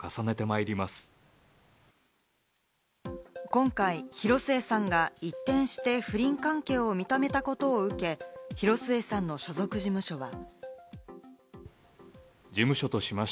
今回、広末さんが一転して不倫関係を認めたことを受け、広末さんの所属事務所は。